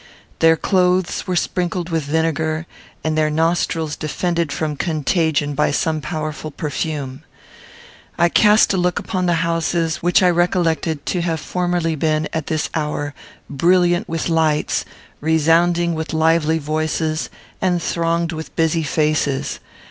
Their clothes were sprinkled with vinegar, and their nostrils defended from contagion by some powerful perfume. I cast a look upon the houses, which I recollected to have formerly been, at this hour, brilliant with lights, resounding with lively voices, and thronged with busy faces.